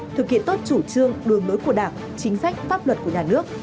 thực hiện tốt chủ trương đường lối của đảng chính sách pháp luật của nhà nước